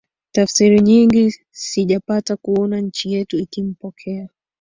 tafsiri nyingi Sijapata kuona nchi yetu ikimpokea